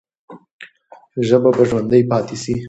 ژبه به ژوندۍ پاتې سي.